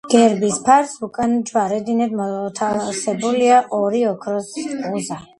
გერბის ფარს უკან ჯვარედინად მოთავსებულია ორი ოქროს ღუზა.